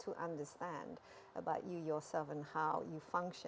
tentang anda sendiri dan bagaimana anda berfungsi